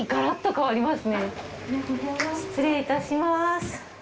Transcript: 失礼いたします。